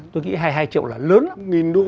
tôi nghĩ hai mươi hai triệu là lớn lắm